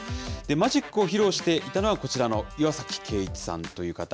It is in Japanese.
マジックを披露していたのはこちらの岩崎圭一さんという方。